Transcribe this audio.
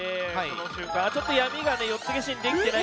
ちょっと闇が４つ消しにできてない。